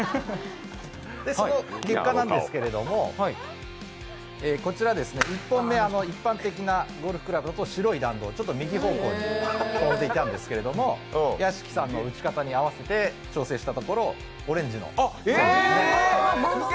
その結果なんですけれども、１本目、一般的なゴルフクラブだと白い線、ちょっと右方向に飛んでいたんですけれども、屋敷さんの打ち方に合わせて調整したところオレンジの線に。